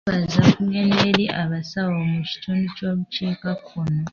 Okwebaza kugende eri abasawo mu kitundu ky'obukiikakkono.